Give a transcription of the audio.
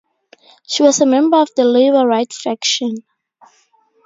She was a member of the Labor Right faction.